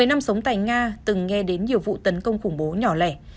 một mươi năm sống tại nga từng nghe đến nhiều vụ tấn công khủng bố nhỏ lẻ